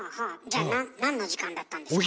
じゃ何の時間だったんですか？